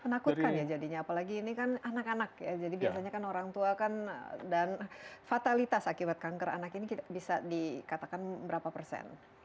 menakutkan ya jadinya apalagi ini kan anak anak ya jadi biasanya kan orang tua kan dan fatalitas akibat kanker anak ini bisa dikatakan berapa persen